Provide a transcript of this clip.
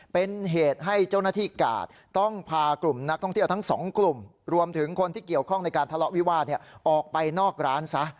เป็นเหตุให้เจ้าหน้าที่กาดต้องพากลุ่มนักท่องเที่ยวทั้งสองกลุ่มรวมถึงคนที่เกี่ยวข้องในการทะเลาะวิวาสออกไปนอกร้านซะ